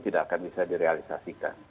tidak akan bisa direalisasikan